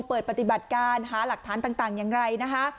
เปิดปฏิบัติการหาหลักฐานต่างอย่างไรนะคะ